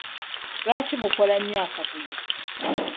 Lwaki mukola nnyo akavuyo?